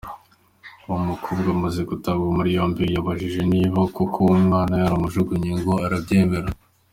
Uwo mukobwa amaze gutabwa muri yombi yabajijwe niba koko umwana yaramujugunye, ngo arabyemera.